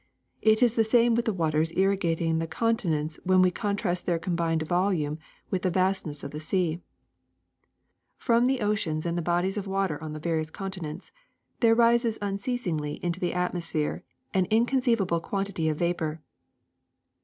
It is the same with the waters irrigating the continents when we contrast their combined vol ume with the vastness of the sea. From the oceans and the bodies of water on the various continents there rises unceasingly into the atmosphere an inconceivable quantity of vapor.